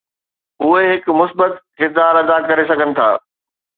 اهي هڪ مثبت ڪردار ادا ڪري سگهن ٿا.